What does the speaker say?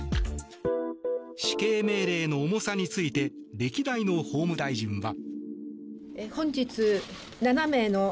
死刑命令の重さについて歴代の法務大臣は。